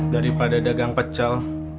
daripada dagang pecel